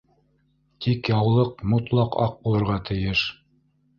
Тик яулыҡ мотлаҡ аҡ булырға тейеш.